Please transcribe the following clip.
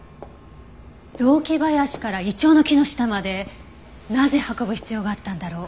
雑木林からイチョウの木の下までなぜ運ぶ必要があったんだろう？